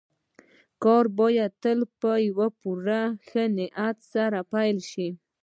کار بايد تل په پوره ښه نيت سره پيل شي.